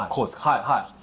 はいはい。